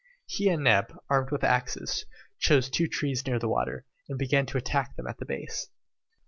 He and Neb, armed with axes, chose two trees near the water, and began to attack them at the base.